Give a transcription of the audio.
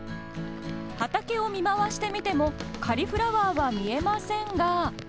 畑を見回してみてもカリフラワーは見えませんが。